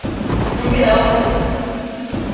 Non queda outra!